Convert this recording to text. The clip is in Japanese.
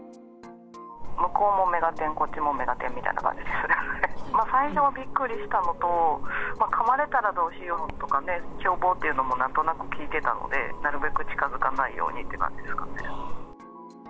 向こうも目が点、こっちも目が点みたいな感じで、最初はびっくりしたのと、かまれたらどうしようとかね、凶暴というのもなんとなく聞いてたので、なるべく近づかないようにって感じですかね。